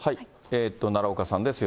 奈良岡さんです。